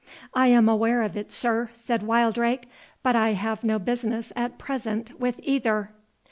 "I am aware of it, sir," said Wildrake; "but I have no business at present with either."